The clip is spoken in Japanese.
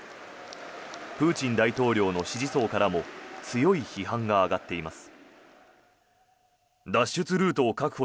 プーチン大統領の支持層からも強い批判が上がっています。